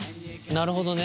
なるほどね。